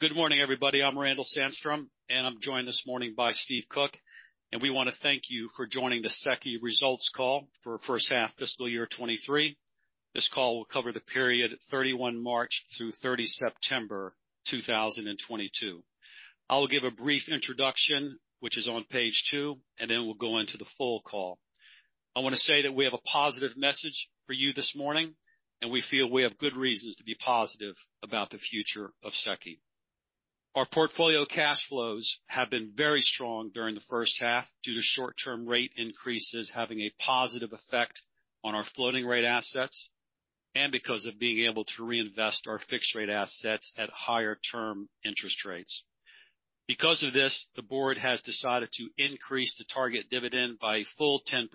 Good morning, everybody. I'm Randall Sandstrom. I'm joined this morning by Steve Cook. We wanna thank you for joining the SECI results call for first half fiscal year 23. This call will cover the period 31 March through 30 September 2022. I will give a brief introduction, which is on page two. We'll go into the full call. I wanna say that we have a positive message for you this morning. We feel we have good reasons to be positive about the future of SECI. Our portfolio cash flows have been very strong during the first half due to short-term rate increases having a positive effect on our floating rate assets and because of being able to reinvest our fixed rate assets at higher term interest rates. The board has decided to increase the target dividend by a full 10%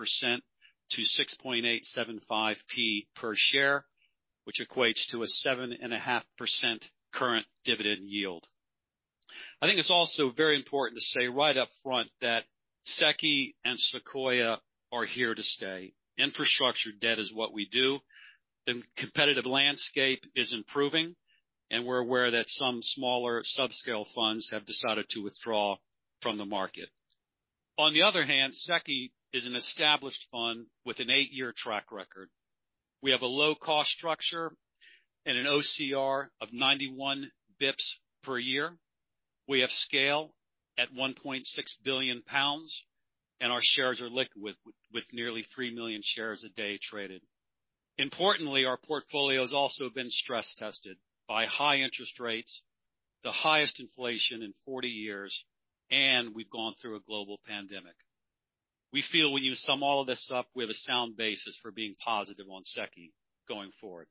to 0.06875 per share, which equates to a 7.5% current dividend yield. I think it's also very important to say right up front that SECI and Sequoia are here to stay. Infrastructure debt is what we do. The competitive landscape is improving, and we're aware that some smaller subscale funds have decided to withdraw from the market. On the other hand, SECI is an established fund with an eight-year track record. We have a low cost structure and an OCR of 91 basis points per year. We have scale at 1.6 billion pounds, and our shares are liquid with nearly 3 million shares a day traded. Importantly, our portfolio has also been stress tested by high interest rates, the highest inflation in 40 years, and we've gone through a global pandemic. We feel when you sum all of this up, we have a sound basis for being positive on SECI going forward.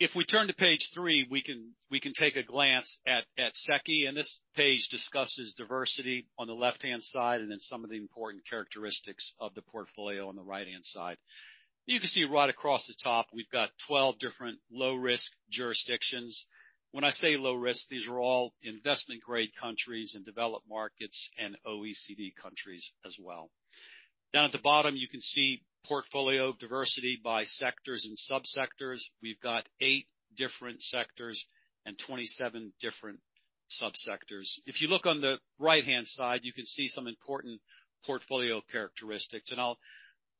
If we turn to page three, we can take a glance at SECI. This page discusses diversity on the left-hand side and then some of the important characteristics of the portfolio on the right-hand side. You can see right across the top, we've got 12 different low risk jurisdictions. When I say low risk, these are all investment-grade countries and developed markets and OECD countries as well. Down at the bottom, you can see portfolio diversity by sectors and subsectors. We've got eight different sectors and 27 different subsectors. If you look on the right-hand side, you can see some important portfolio characteristics.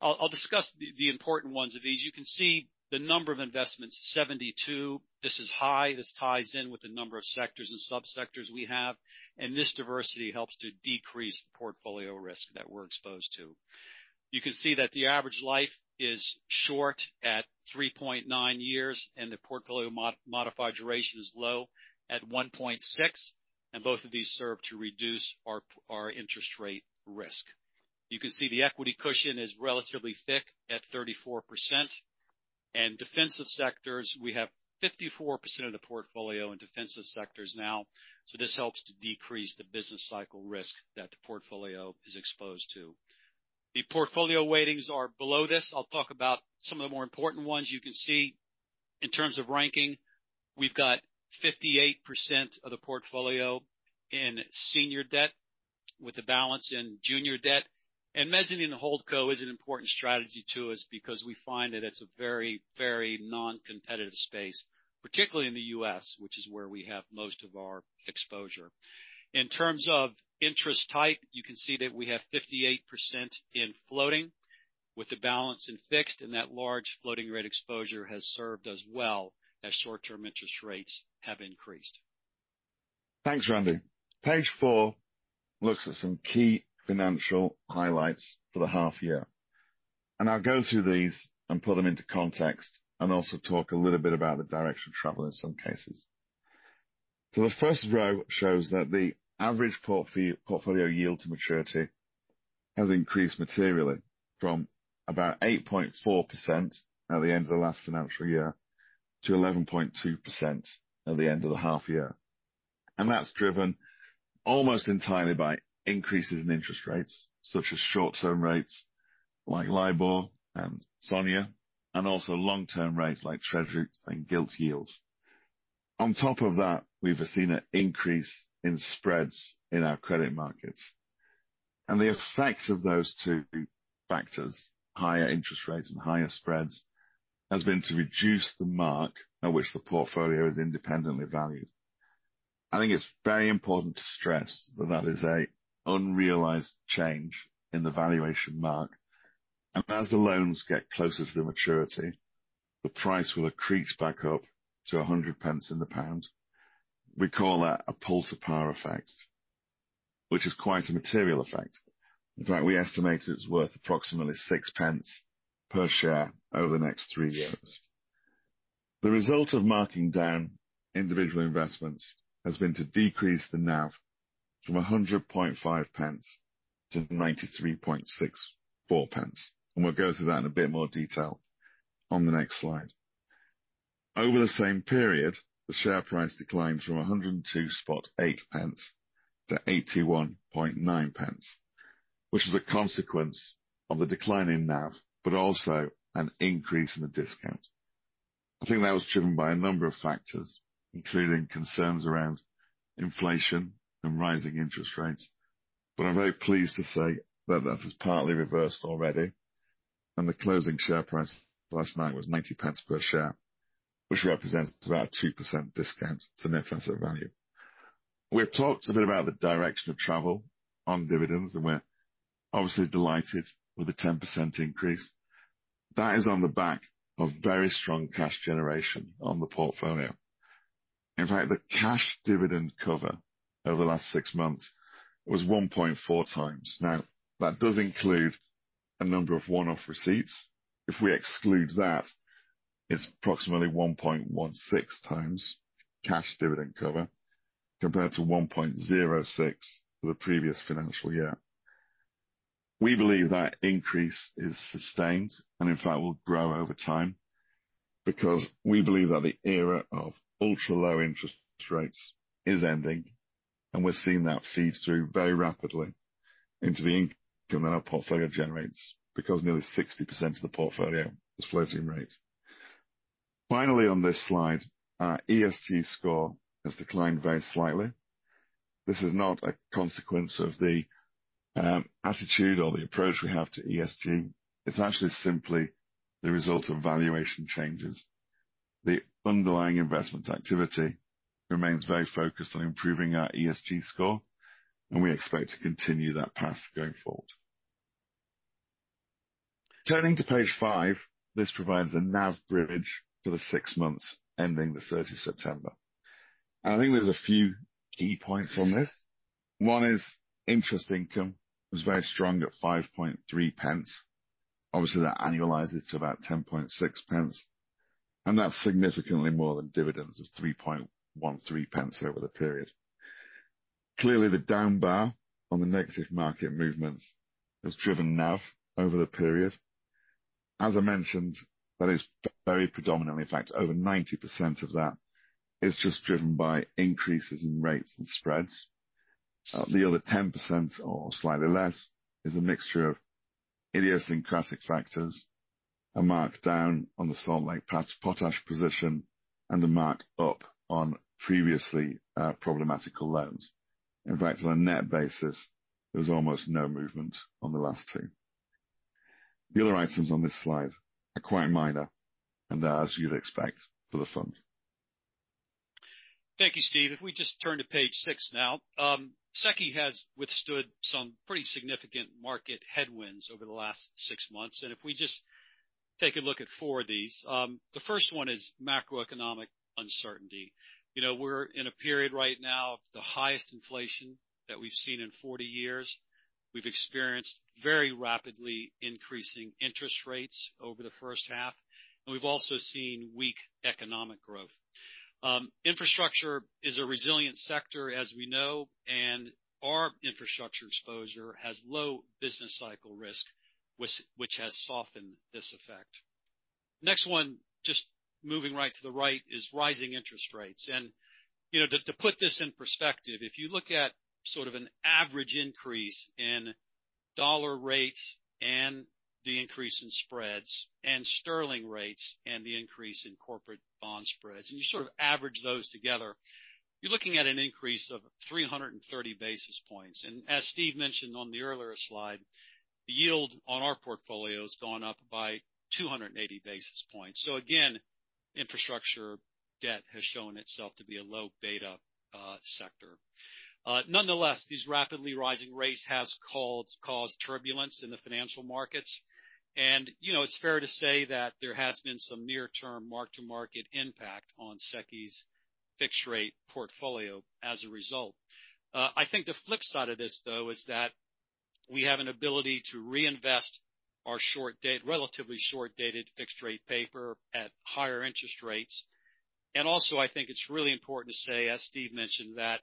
I'll discuss the important ones of these. You can see the number of investments, 72. This is high. This ties in with the number of sectors and subsectors we have. This diversity helps to decrease the portfolio risk that we're exposed to. You can see that the average life is short at 3.9 years, the portfolio modified duration is low at 1.6. Both of these serve to reduce our interest rate risk. You can see the equity cushion is relatively thick at 34%. In defensive sectors, we have 54% of the portfolio in defensive sectors now. This helps to decrease the business cycle risk that the portfolio is exposed to. The portfolio weightings are below this. I'll talk about some of the more important ones. You can see in terms of ranking, we've got 58% of the portfolio in senior debt with the balance in junior debt. Mezzanine holdco is an important strategy to us because we find that it's a very, very non-competitive space, particularly in the U.S., which is where we have most of our exposure. In terms of interest type, you can see that we have 58% in floating with the balance in fixed, and that large floating rate exposure has served us well as short-term interest rates have increased. Thanks, Randy. Page four looks at some key financial highlights for the half year. I'll go through these and put them into context and also talk a little bit about the direction of travel in some cases. The first row shows that the average portfolio yield to maturity has increased materially from about 8.4% at the end of the last financial year to 11.2% at the end of the half year. That's driven almost entirely by increases in interest rates, such as short-term rates, like LIBOR and SONIA, and also long-term rates like Treasury and gilt yields. On top of that, we've seen an increase in spreads in our credit markets. The effect of those two factors, higher interest rates and higher spreads, has been to reduce the mark at which the portfolio is independently valued. I think it's very important to stress that that is a unrealized change in the valuation mark. As the loans get closer to maturity, the price will accrete back up to a hundred pence in the pound. We call that a pull-to-par effect, which is quite a material effect. In fact, we estimate it's worth approximately 0.06 per share over the next three years. The result of marking down individual investments has been to decrease the NAV from 1.005 to 0.9364. We'll go through that in a bit more detail on the next slide. Over the same period, the share price declined from 102.8 pence to 81.9 pence, which is a consequence of the decline in NAV, but also an increase in the discount. I think that was driven by a number of factors, including concerns around inflation and rising interest rates. I'm very pleased to say that that has partly reversed already. The closing share price last night was 90 pence per share, which represents about a 2% discount to net asset value. We've talked a bit about the direction of travel on dividends, we're obviously delighted with the 10% increase. That is on the back of very strong cash generation on the portfolio. In fact, the cash dividend cover over the last six months was 1.4x. That does include a number of one-off receipts. If we exclude that, it's approximately 1.16x cash dividend cover compared to 1.06 for the previous financial year. We believe that increase is sustained, in fact, will grow over time because we believe that the era of ultra-low interest rates is ending. We're seeing that feed through very rapidly into the that our portfolio generates because nearly 60% of the portfolio is floating rate. Finally, on this slide, our ESG score has declined very slightly. This is not a consequence of the attitude or the approach we have to ESG. It's actually simply the result of valuation changes. The underlying investment activity remains very focused on improving our ESG score. We expect to continue that path going forward. Turning to page five, this provides a NAV bridge for the six months ending the third of September. I think there's a few key points on this. One is interest income was very strong at 0.053. Obviously, that annualizes to about 0.106, and that's significantly more than dividends of 0.0313 over the period. Clearly, the down bar on the negative market movements has driven NAV over the period. As I mentioned, that is very predominantly, in fact, over 90% of that is just driven by increases in rates and spreads. The other 10% or slightly less is a mixture of idiosyncratic factors, a mark-down on the Salt Lake Potash position, and a mark-up on previously problematical loans. In fact, on a net basis, there was almost no movement on the last two. The other items on this slide are quite minor and as you'd expect for the fund. Thank you, Steve. If we just turn to page six now. SECI has withstood some pretty significant market headwinds over the last six months. If we just take a look at four of these, the first one is macroeconomic uncertainty. You know, we're in a period right now of the highest inflation that we've seen in 40 years. We've experienced very rapidly increasing interest rates over the first half, and we've also seen weak economic growth. Infrastructure is a resilient sector, as we know, and our infrastructure exposure has low business cycle risk, which has softened this effect. Next one, just moving right to the right, is rising interest rates. You know, to put this in perspective, if you look at sort of an average increase in dollar rates and the increase in spreads and sterling rates and the increase in corporate bond spreads, and you sort of average those together, you're looking at an increase of 330 basis points. As Steve mentioned on the earlier slide, the yield on our portfolio has gone up by 280 basis points. Again, infrastructure debt has shown itself to be a low beta sector. Nonetheless, these rapidly rising rates has caused turbulence in the financial markets. You know, it's fair to say that there has been some near-term mark-to-market impact on SECI's fixed-rate portfolio as a result. I think the flip side of this, though, is that we have an ability to reinvest our short date, relatively short-dated fixed rate paper at higher interest rates. Also, I think it's really important to say, as Steve mentioned, that,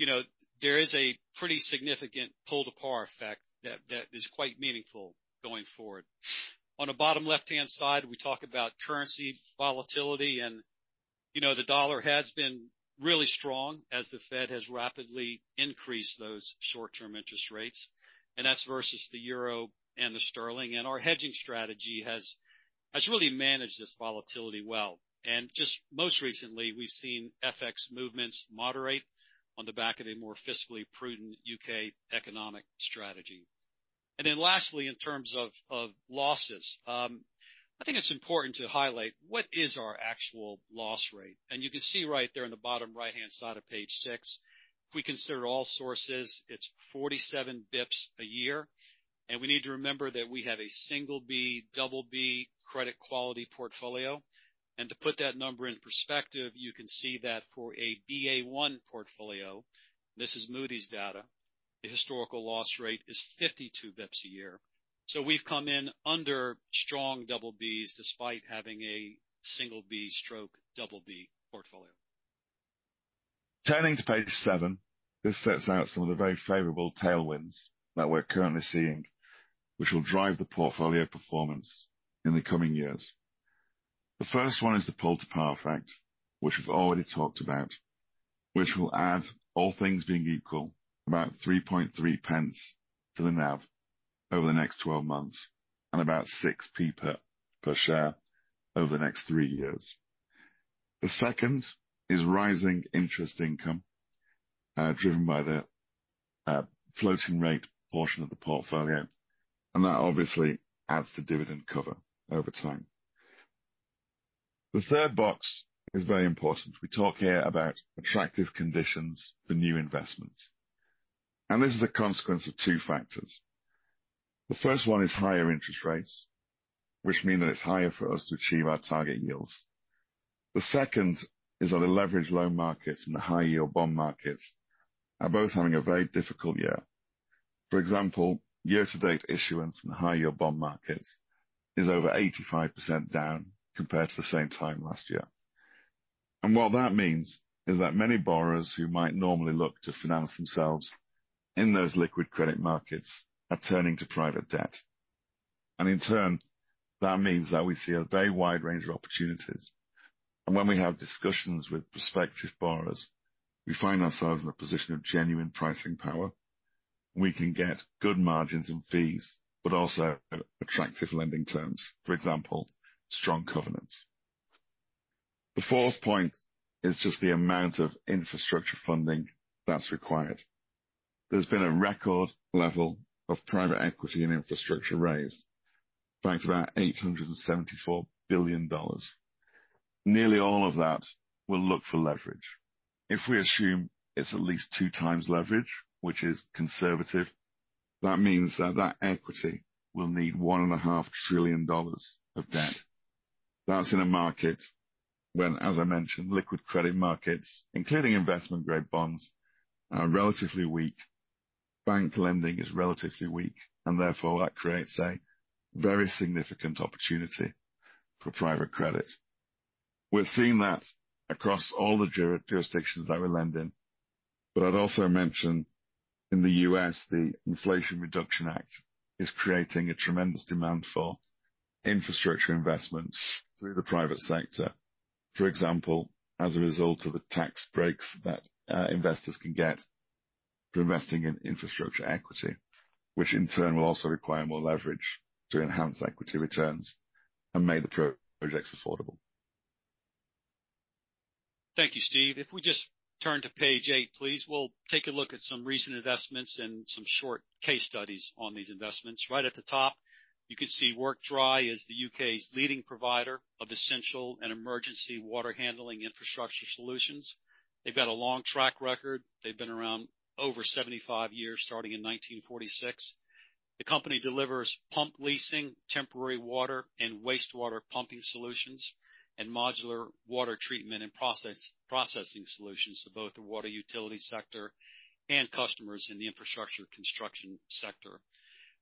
you know, there is a pretty significant pull-to-par effect that is quite meaningful going forward. On the bottom left-hand side, we talk about currency volatility, and, you know, the dollar has been really strong as the Fed has rapidly increased those short-term interest rates, and that's versus the euro and the sterling. Our hedging strategy has really managed this volatility well. Just most recently, we've seen FX movements moderate on the back of a more fiscally prudent U.K. economic strategy. Lastly, in terms of losses, I think it's important to highlight what is our actual loss rate. You can see right there in the bottom right-hand side of page six, if we consider all sources, it's 47 basis points a year. We need to remember that we have a single B, double B credit quality portfolio. To put that number in perspective, you can see that for a Ba1 portfolio, this is Moody's data, the historical loss rate is 52 basis points a year. We've come in under strong double Bs despite having a single B stroke double B portfolio. Turning to page seven, this sets out some of the very favorable tailwinds that we're currently seeing, which will drive the portfolio performance in the coming years. The first one is the pull-to-par effect, which we've already talked about, which will add, all things being equal, about 0.033 to the NAV over the next 12 months and about 0.06 per share over the next three years. The second is rising interest income. Driven by the floating rate portion of the portfolio, that obviously adds to dividend cover over time. The third box is very important. We talk here about attractive conditions for new investments. This is a consequence of two factors. The first one is higher interest rates, which mean that it's higher for us to achieve our target yields. The second is that the leverage loan markets and the high-yield bond markets are both having a very difficult year. For example, year-to-date issuance in the high-yield bond markets is over 85% down compared to the same time last year. What that means is that many borrowers who might normally look to finance themselves in those liquid credit markets are turning to private debt. In turn, that means that we see a very wide range of opportunities. When we have discussions with prospective borrowers, we find ourselves in a position of genuine pricing power. We can get good margins and fees, but also attractive lending terms, for example, strong covenants. The fourth point is just the amount of infrastructure funding that's required. There's been a record level of private equity and infrastructure raised, thanks to that $874 billion. Nearly all of that will look for leverage. If we assume it's at least 2x leverage, which is conservative, that means that equity will need one and a half trillion dollars of debt. That's in a market when, as I mentioned, liquid credit markets, including investment-grade bonds, are relatively weak, bank lending is relatively weak, and therefore that creates a very significant opportunity for private credit. We're seeing that across all the jurisdictions that we lend in. I'd also mention in the U.S., the Inflation Reduction Act is creating a tremendous demand for infrastructure investments through the private sector. For example, as a result of the tax breaks that investors can get for investing in infrastructure equity, which in turn will also require more leverage to enhance equity returns and make the projects affordable. Thank you, Steve. We just turn to page eight, please. We'll take a look at some recent investments and some short case studies on these investments. Right at the top, you can see Workdry is the U.K.'s leading provider of essential and emergency water handling infrastructure solutions. They've got a long track record. They've been around over 75 years, starting in 1946. The company delivers pump leasing, temporary water and wastewater pumping solutions, and modular water treatment and processing solutions to both the water utility sector and customers in the infrastructure construction sector.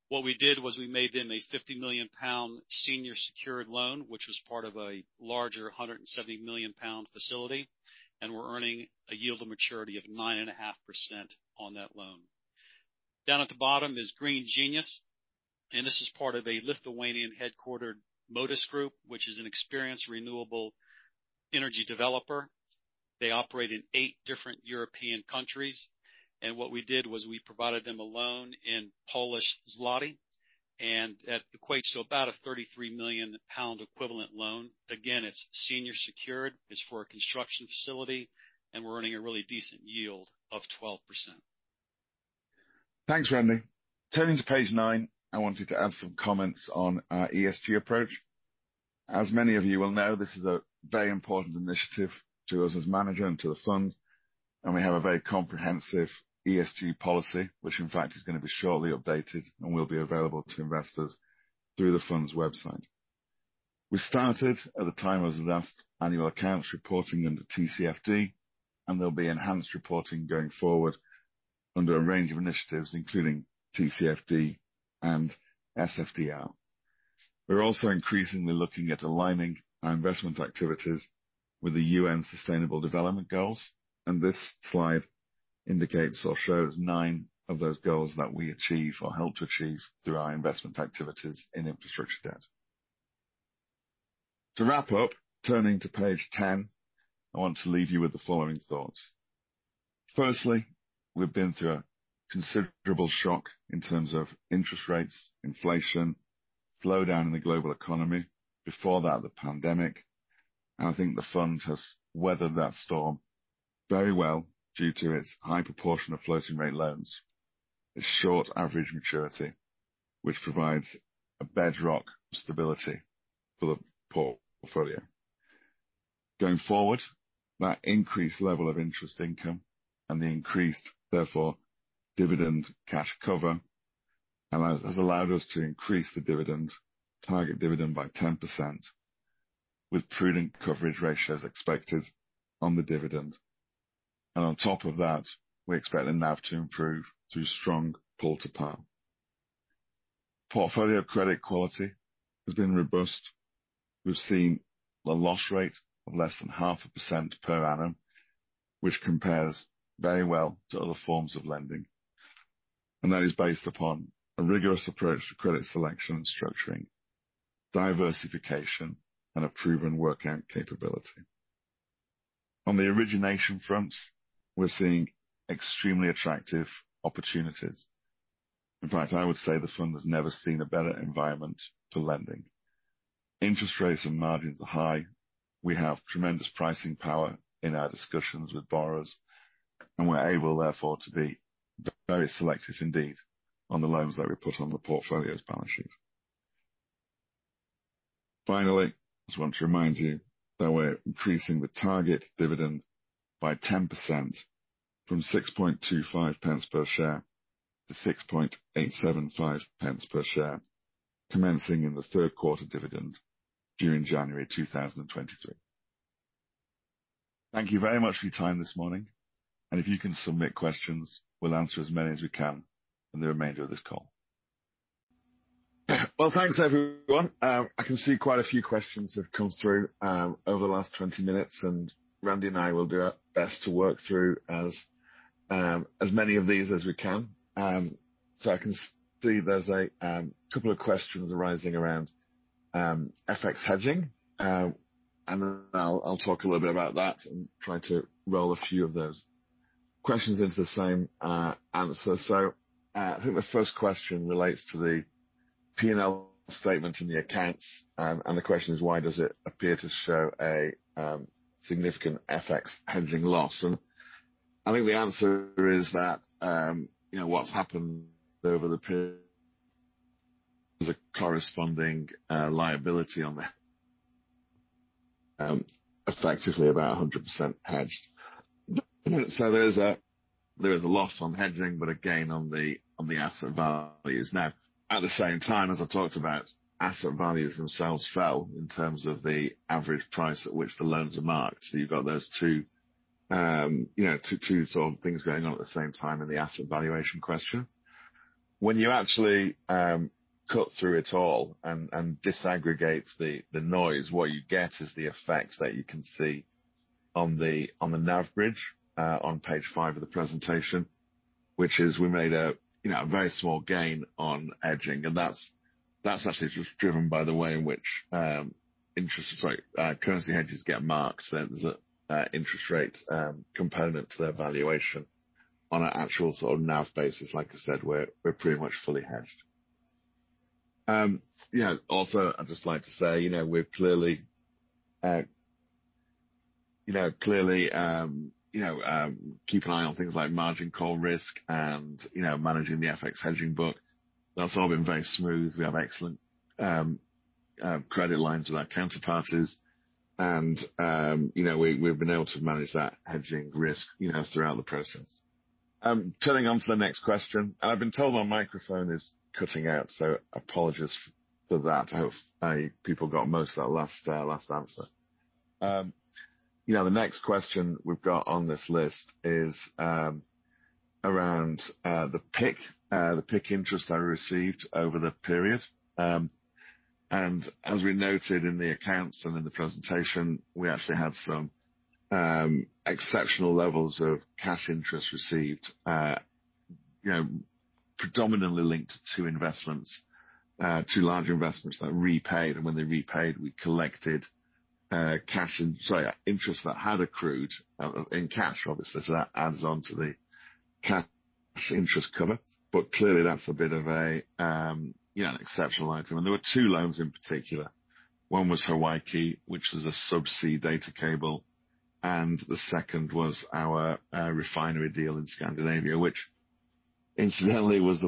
What we did was we made them a 50 million pound senior secured loan, which was part of a larger 170 million pound facility. We're earning a yield to maturity of 9.5% on that loan. Down at the bottom is Green Genius. This is part of a Lithuanian headquartered Modus Group, which is an experienced renewable energy developer. They operate in eight different European countries. What we did was we provided them a loan in Polish zloty and that equates to about a 33 million pound equivalent loan. Again, it's senior secured, it's for a construction facility, and we're earning a really decent yield of 12%. Thanks, Randy. Turning to page nine. I wanted to add some comments on our ESG approach. As many of you will know, this is a very important initiative to us as manager and to the fund, and we have a very comprehensive ESG policy, which in fact is gonna be shortly updated and will be available to investors through the fund's website. We started at the time of the last annual accounts reporting under TCFD, and there'll be enhanced reporting going forward under a range of initiatives, including TCFD and SFDR. We're also increasingly looking at aligning our investment activities with the UN Sustainable Development Goals, and this slide indicates or shows nine of those goals that we achieve or help to achieve through our investment activities in infrastructure debt. To wrap up, turning to page 10, I want to leave you with the following thoughts. Firstly, we've been through a considerable shock in terms of interest rates, inflation, slowdown in the global economy. Before that, the pandemic. I think the fund has weathered that storm very well due to its high proportion of floating rate loans. Its short average maturity, which provides a bedrock stability for the portfolio. Going forward, that increased level of interest income and the increased, therefore, dividend cash cover has allowed us to increase the dividend, target dividend by 10% with prudent coverage ratios expected on the dividend. On top of that, we expect the NAV to improve through strong pull to par. Portfolio credit quality has been robust. We've seen a loss rate of less than half a % per annum, which compares very well to other forms of lending. That is based upon a rigorous approach to credit selection and structuring, diversification, and a proven workout capability. On the origination fronts, we're seeing extremely attractive opportunities. In fact, I would say the fund has never seen a better environment for lending. Interest rates and margins are high. We have tremendous pricing power in our discussions with borrowers, and we're able, therefore, to be very selective indeed on the loans that we put on the portfolio's balance sheet. Finally, I just want to remind you that we're increasing the target dividend by 10% from 0.0625 per share to 0.06875 per share, commencing in the 3rd quarter dividend due in January 2023. Thank you very much for your time this morning, and if you can submit questions, we'll answer as many as we can in the remainder of this call. Well, thanks everyone. I can see quite a few questions have come through over the last 20 minutes, and Randy and I will do our best to work through as many of these as we can. I can see there's a couple of questions arising around FX hedging. I'll talk a little bit about that and try to roll a few of those questions into the same answer. I think the first question relates to the P&L statement in the accounts. The question is, why does it appear to show a significant FX hedging loss? I think the answer is that, you know, what's happened over the period is a corresponding liability on the, effectively about 100% hedged. There is a loss on hedging, but again, on the asset values. At the same time, as I talked about, asset values themselves fell in terms of the average price at which the loans are marked. You've got those two, you know, two sort of things going on at the same time in the asset valuation question. When you actually, cut through it all and disaggregate the noise, what you get is the effect that you can see on the NAV bridge on page five of the presentation, which is we made a, you know, a very small gain on hedging. That's actually just driven by the way in which, interest rates. Sorry, currency hedges get marked. There's a interest rate component to their valuation. On an actual sort of NAV basis, like I said, we're pretty much fully hedged. Also, I'd just like to say, you know, we're clearly keep an eye on things like margin call risk and, you know, managing the FX hedging book. That's all been very smooth. We have excellent credit lines with our counterparties. You know, we've been able to manage that hedging risk, you know, throughout the process. Turning on to the next question. I've been told my microphone is cutting out, so apologies for that. I hope you people got most of that last answer. You know, the next question we've got on this list is around the PIK. The PIK interest I received over the period. As we noted in the accounts and in the presentation, we actually had some exceptional levels of cash interest received, you know, predominantly linked to investments, two larger investments that repaid. When they repaid, we collected cash and interest that had accrued in cash obviously. That adds on to the cash interest cover. Clearly that's a bit of a, you know, exceptional item. There were two loans in particular. One was Hawaiki, which was a subsea data cable. The second was our refinery deal in Scandinavia, which incidentally was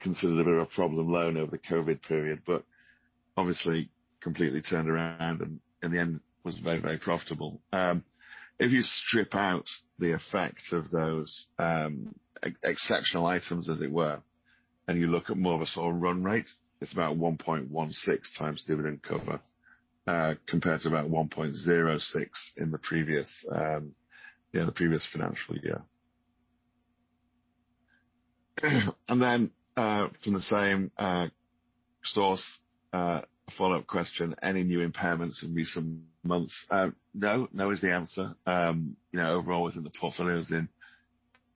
considered a bit of a problem loan over the COVID period. Obviously completely turned around and in the end was very, very profitable. If you strip out the effect of those exceptional items as it were, and you look at more of a sort of run rate, it's about 1.16x dividend cover, compared to about 1.06 in the previous financial year. From the same source, follow-up question. Any new impairments in recent months? No. No is the answer. You know, overall with the portfolios in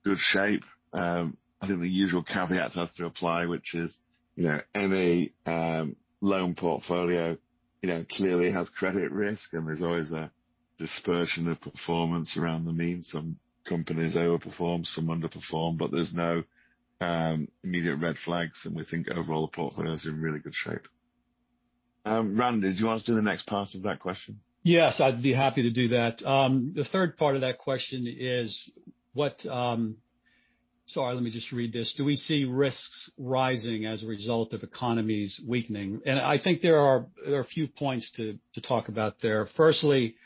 good shape. I think the usual caveat has to apply, which is, you know, any loan portfolio, you know, clearly has credit risk and there's always a dispersion of performance around the mean. Some companies overperform, some underperform, but there's no immediate red flags and we think overall the portfolio is in really good shape. Randy, do you wanna do the next part of that question? Yes, I'd be happy to do that. Sorry, let me just read this. Do we see risks rising as a result of economies weakening? I think there are a few points to talk about there. Firstly,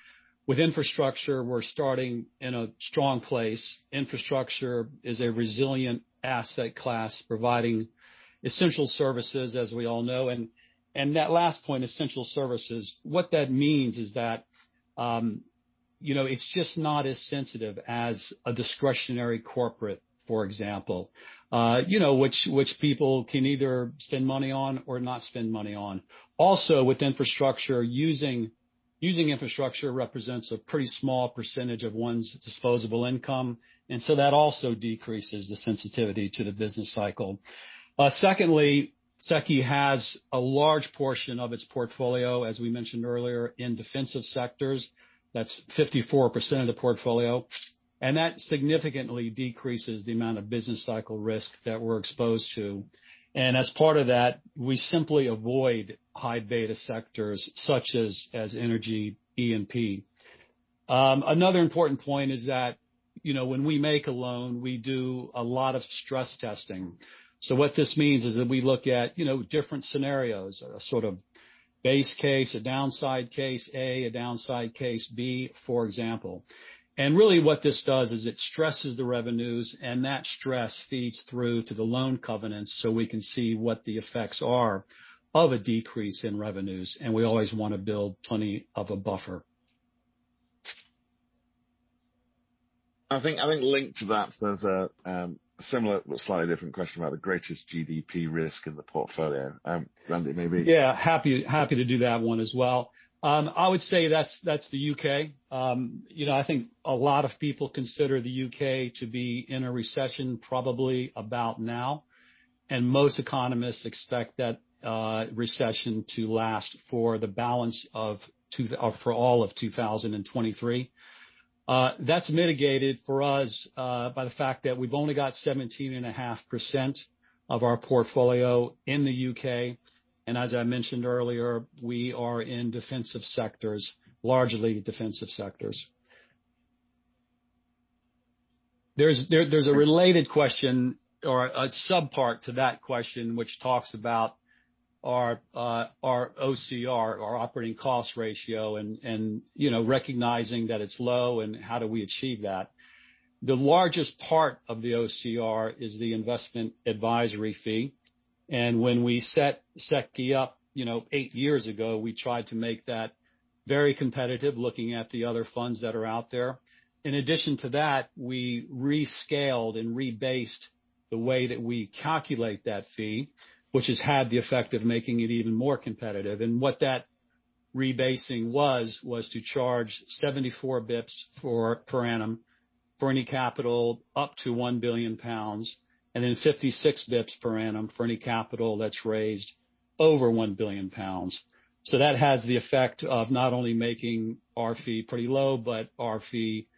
with infrastructure, we're starting in a strong place. Infrastructure is a resilient asset class, providing essential services, as we all know. That last point, essential services, what that means is that, you know, it's just not as sensitive as a discretionary corporate, for example, you know, which people can either spend money on or not spend money on. Also, with infrastructure, using infrastructure represents a pretty small percentage of one's disposable income. That also decreases the sensitivity to the business cycle. Secondly, SECI has a large portion of its portfolio, as we mentioned earlier, in defensive sectors. That's 54% of the portfolio, that significantly decreases the amount of business cycle risk that we're exposed to. As part of that, we simply avoid high beta sectors such as energy E&P. Another important point is that, you know, when we make a loan, we do a lot of stress testing. What this means is that we look at, you know, different scenarios, a sort of base case, a downside case A, a downside case B, for example. Really what this does is it stresses the revenues, and that stress feeds through to the loan covenant so we can see what the effects are of a decrease in revenues, and we always wanna build plenty of a buffer. I think linked to that, there's a similar but slightly different question about the greatest GDP risk in the portfolio. Randy, maybe. Yeah, happy to do that one as well. I would say that's the U.K. You know, I think a lot of people consider the U.K. to be in a recession probably about now. Most economists expect that recession to last for all of 2023. That's mitigated for us by the fact that we've only got 17.5% of our portfolio in the U.K. As I mentioned earlier, we are in defensive sectors, largely defensive sectors. There's a related question or a sub-part to that question, which talks about our OCR, our operating cost ratio, and, you know, recognizing that it's low and how do we achieve that. The largest part of the OCR is the investment advisory fee. When we set SECI up, you know, eight years ago, we tried to make that very competitive, looking at the other funds that are out there. In addition to that, we rescaled and rebased the way that we calculate that fee, which has had the effect of making it even more competitive. What that rebasing was to charge 74 basis points per annum for any capital up to 1 billion pounds, and then 56 basis points per annum for any capital that's raised over 1 billion pounds. That has the effect of not only making our fee pretty low, but our fee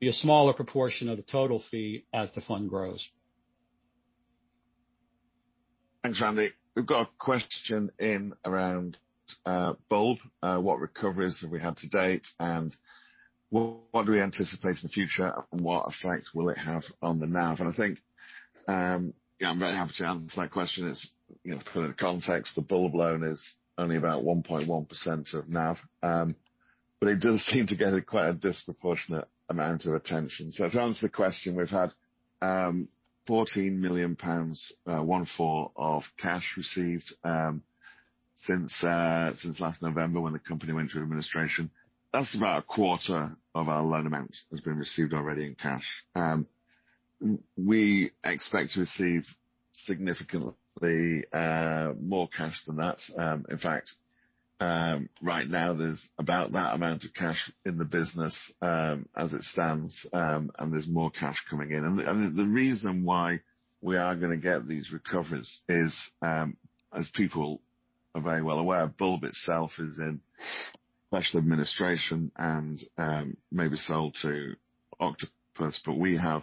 be a smaller proportion of the total fee as the fund grows. Thanks, Randy. We've got a question in around Bulb, what recoveries have we had to date, and what do we anticipate in the future, and what effect will it have on the NAV? I think, yeah, I'm very happy to answer that question. As, you know, put it in context, the Bulb loan is only about 1.1% of NAV, it does seem to get a quite a disproportionate amount of attention. To answer the question, we've had 14 million pounds, one-four of cash received, since last November when the company went through administration. That's about 1/4 of our loan amount has been received already in cash. We expect to receive significantly more cash than that. In fact, right now there's about that amount of cash in the business, as it stands, and there's more cash coming in. The reason why we are gonna get these recoveries is, as people are very well aware, Bulb itself is in special administration and may be sold to Octopus. We have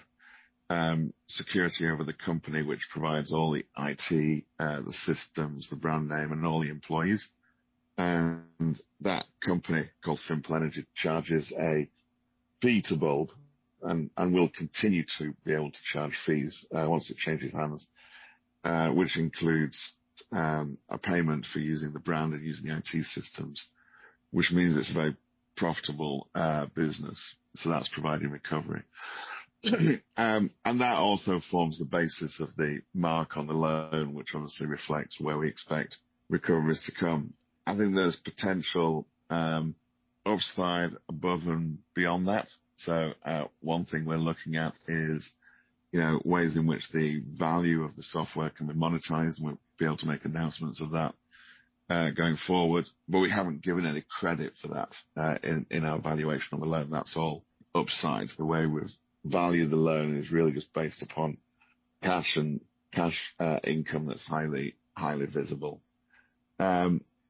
security over the company which provides all the IT, the systems, the brand name and all the employees. That company, called Simple Energy, charges a fee to Bulb and will continue to be able to charge fees, once it changes hands, which includes a payment for using the brand and using the IT systems, which means it's a very profitable business. That's providing recovery. That also forms the basis of the mark on the loan, which obviously reflects where we expect recoveries to come. I think there's potential, upside above and beyond that. One thing we're looking at is, you know, ways in which the value of the software can be monetized, and we'll be able to make announcements of that, going forward. We haven't given any credit for that, in our valuation of the loan. That's all upside. The way we've valued the loan is really just based upon cash and cash, income that's highly visible.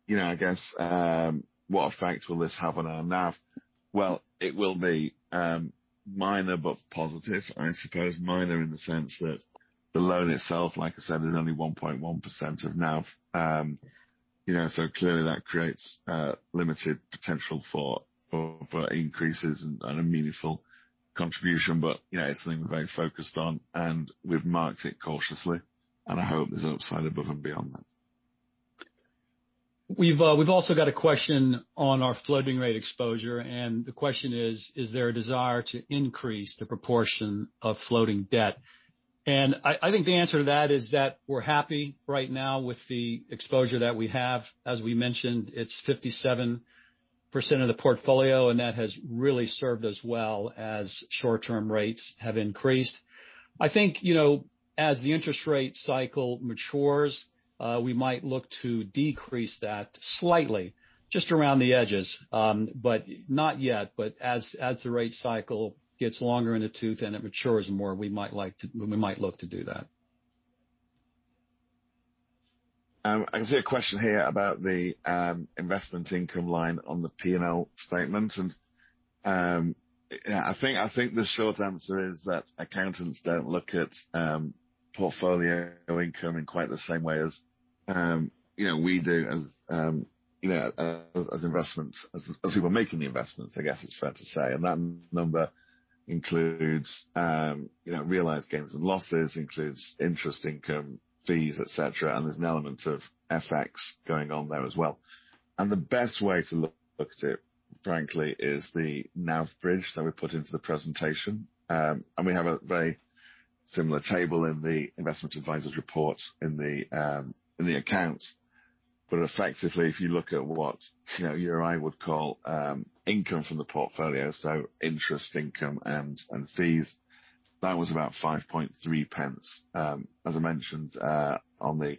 you know, I guess, what effect will this have on our NAV? Well, it will be, minor but positive. I suppose minor in the sense that the loan itself, like I said, is only 1.1% of NAV. You know, clearly that creates limited potential for increases and a meaningful contribution. You know, it's something we're very focused on, and we've marked it cautiously, and I hope there's upside above and beyond that. We've also got a question on our floating rate exposure. The question is: Is there a desire to increase the proportion of floating debt? I think the answer to that is that we're happy right now with the exposure that we have. As we mentioned, it's 57% of the portfolio, and that has really served us well as short-term rates have increased. I think, you know, as the interest rate cycle matures, we might look to decrease that slightly just around the edges, but not yet. As the rate cycle gets longer in the tooth and it matures more, we might look to do that. I can see a question here about the investment income line on the P&L statement. Yeah, I think the short answer is that accountants don't look at portfolio income in quite the same way as, you know, we do as, you know, as people making the investments, I guess it's fair to say. That number includes, you know, realized gains and losses. Includes interest income fees, et cetera, and there's an element of FX going on there as well. The best way to look at it, frankly, is the NAV bridge that we put into the presentation. We have a very similar table in the investment advisor's report in the accounts. Effectively, if you look at what, you know, you or I would call income from the portfolio, so interest income and fees, that was about 5.3 pence, as I mentioned, on the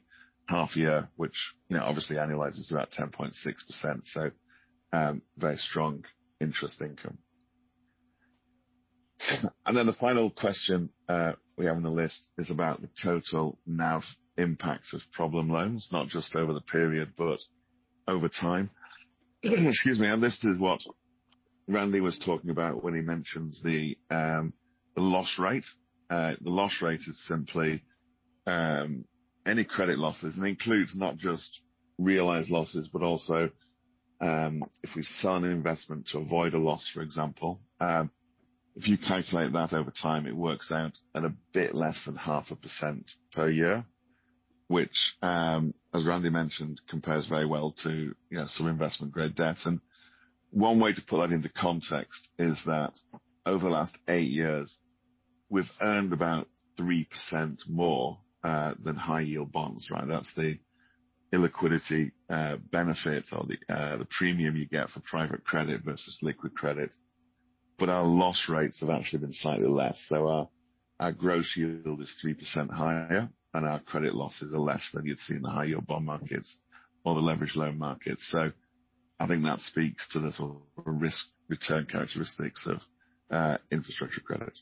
half year. Which, you know, obviously annualizes about 10.6%. Very strong interest income. Then the final question we have on the list is about the total NAV impact of problem loans, not just over the period, but over time. Excuse me. This is what Randy was talking about when he mentions the loss rate. The loss rate is simply any credit losses. Includes not just realized losses, but also, if we sell an investment to avoid a loss, for example. If you calculate that over time, it works out at a bit less than half a percent per year, which, as Randy mentioned, compares very well to, you know, some investment grade debt. One way to put that into context is that over the last eight years, we've earned about 3% more than high yield bonds, right. That's the illiquidity benefit or the premium you get for private credit versus liquid credit. Our loss rates have actually been slightly less. Our gross yield is 3% higher, and our credit losses are less than you'd see in the high yield bond markets or the leverage loan markets. I think that speaks to the sort of risk return characteristics of infrastructure credit.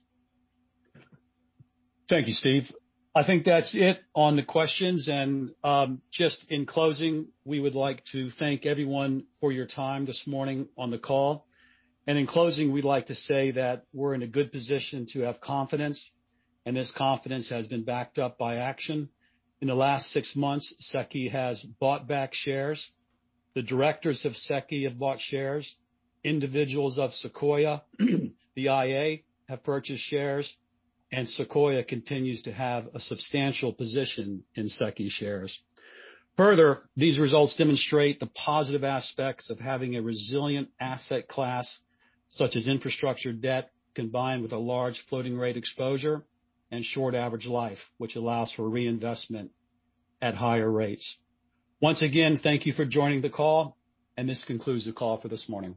Thank you, Steve. I think that's it on the questions. Just in closing, we would like to thank everyone for your time this morning on the call. In closing, we'd like to say that we're in a good position to have confidence, and this confidence has been backed up by action. In the last six months, SECI has bought back shares. The directors of SECI have bought shares. Individuals of Sequoia, the IA, have purchased shares. Sequoia continues to have a substantial position in SECI shares. Further, these results demonstrate the positive aspects of having a resilient asset class, such as infrastructure debt, combined with a large floating rate exposure and short average life, which allows for reinvestment at higher rates. Once again, thank you for joining the call, and this concludes the call for this morning.